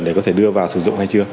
để có thể đưa vào sử dụng hay chưa